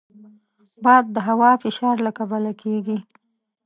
باد د هوا فشار له کبله کېږي